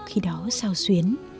khi đó sao xuyến